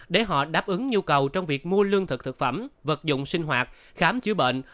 để họ đáp ứng nhu cầu trong việc mua lương thực thực phẩm vật dụng sinh hoạt khám chữa bệnh